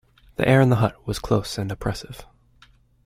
The air in the hut was close and oppressive.